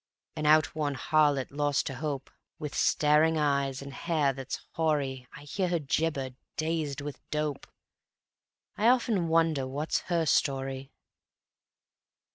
An outworn harlot, lost to hope, With staring eyes and hair that's hoary I hear her gibber, dazed with dope: I often wonder what's her story.